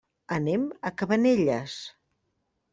Anem a Cabanelles.